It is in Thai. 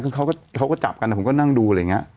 คือเขาก็จับกันผมก็นั่งดูอะไรอย่างนี้